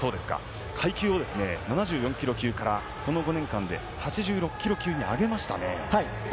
階級を７４ｋｇ級からこの５年間で８６ｋｇ級に上げましたね。